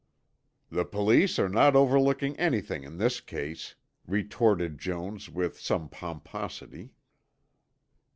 "The police are not overlooking anything in this case," retorted Jones with some pomposity.